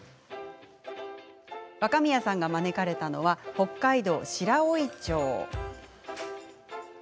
若宮さんが招かれたのは北海道・白老町。